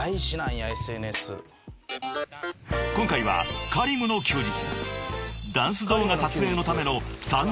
［今回はＫａｒｉｍの休日ダンス動画撮影のための三軒茶屋